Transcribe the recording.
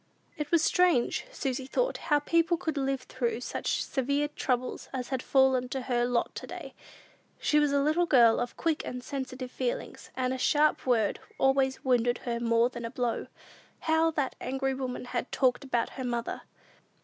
It was strange, Susy thought, how people could live through such severe troubles as had fallen to her lot to day. She was a little girl of quick and sensitive feelings, and a sharp word always wounded her more than a blow. How that angry woman had talked about her mother!